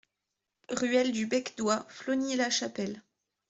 Ruelle du Bec d'Oie, Flogny-la-Chapelle